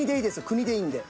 国でいいんで。